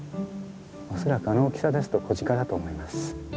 恐らくあの大きさですと子ジカだと思います。